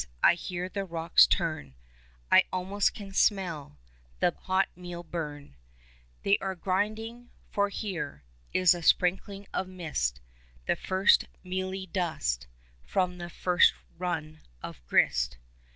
I hear the rocks turn^ I almost can smell The hot meal burn. They are grinding ; for here Is a sprinkling of mist — The first mealy dust From the first run of grist.